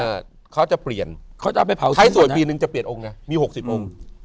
เออเขาจะเปลี่ยนเขาจะเอาไปเผาทิ้งไทยสวยปีนึงจะเปลี่ยนองน่ะมีหกสิบองค์